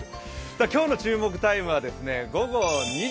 今日の注目タイムは午後２時。